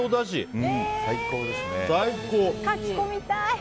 かき込みたい！